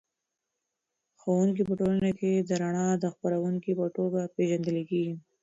ښوونکی په ټولنه کې د رڼا د خپروونکي په توګه پېژندل کېږي.